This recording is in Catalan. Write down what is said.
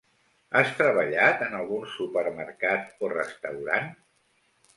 Has treballat en algun supermercat o restaurant?